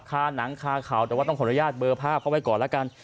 หนังคาเขาแต่ว่าต้องขออนุญาตเบอร์ภาพเขาไว้ก่อนแล้วกัน